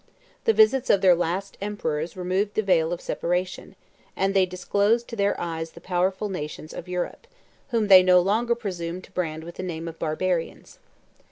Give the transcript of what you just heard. The visits of their last emperors removed the veil of separation, and they disclosed to their eyes the powerful nations of Europe, whom they no longer presumed to brand with the name of Barbarians.